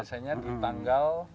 biasanya di tanggal